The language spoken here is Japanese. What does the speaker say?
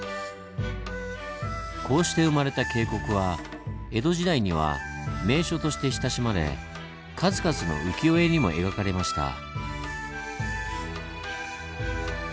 こうして生まれた渓谷は江戸時代には名所として親しまれ数々の浮世絵にも描かれました。